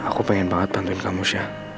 aku pengen banget bantuin kamu aisyah